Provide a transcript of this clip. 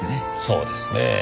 そうですね。